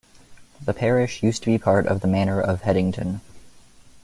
The parish used to be part of the manor of Headington.